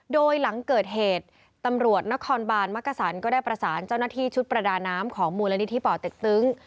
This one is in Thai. โดยหลังเกิดเหตุตำรวจนครบานมักกษันก็ได้ประสานเจ้าหน้าที่ชุดประดาน้ำของมูลนิธิป่อเต็กตึง